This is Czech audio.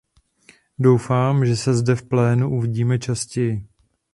Doufám, že se zde v plénu uvidíme častěji.